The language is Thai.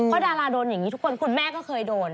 เพราะดาราโดนอย่างนี้ทุกคนคุณแม่ก็เคยโดน